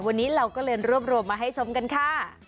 วันนี้เราก็เลยรวบรวมมาให้ชมกันค่ะ